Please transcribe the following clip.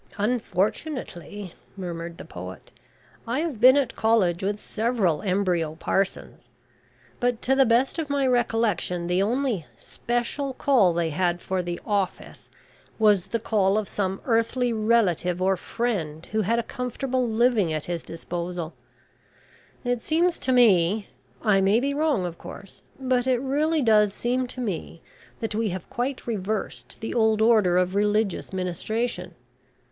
"Unfortunately," murmured the poet, "I have been at college with several embryo parsons. But to the best of my recollection the only `special' call they had for the office was the call of some earthly relative or friend who had a comfortable living at his disposal. It seems to me I may be wrong, of course but it really does seem to me that we have quite reversed the old order of religious ministration.